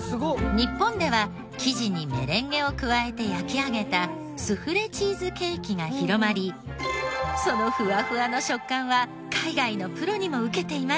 日本では生地にメレンゲを加えて焼き上げたスフレチーズケーキが広まりそのふわふわの食感は海外のプロにもウケています。